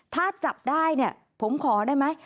ถ้าจับได้เนี่ยผมขอได้ไหม